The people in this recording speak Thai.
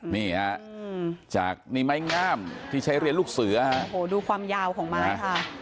นี่ครับจากนี่ไม้ง่ามที่ใช้เลี้ยนลูกเสือโอ๊ยดูความยาวของไม้ครับ